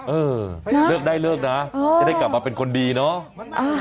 เออเลิกได้เลิกนะจะได้กลับมาเป็นคนดีเนาะ